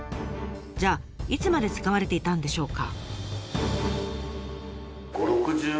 じゃあいつまで使われていたんでしょうか？